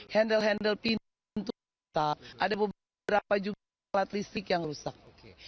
handle handle pintu rusak ada beberapa juga alat listrik yang rusak